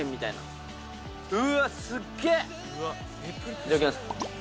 いただきます。